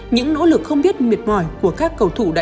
những nỗ lực không biết miệt mỏi của các cầu thủ